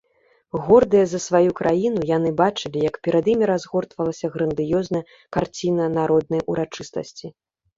Гордыя за сваю краіну, яны бачылі, як перад імі разгортвалася грандыёзная карціна народнай урачыстасці.